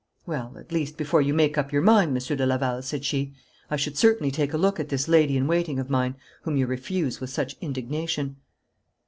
'Well, at least, before you make up your mind, Monsieur de Laval,' said she, 'I should certainly take a look at this lady in waiting of mine, whom you refuse with such indignation.'